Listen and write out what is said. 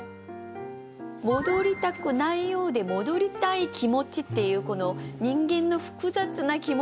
戻りたくないようで戻りたい気持ちっていうこの人間の複雑な気持ちをちょっと生かして。